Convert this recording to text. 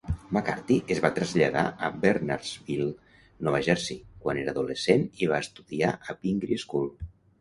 McCarthy es va traslladar a Bernardsville, Nova Jersey, quan era adolescent i va estudiar a Pingry School.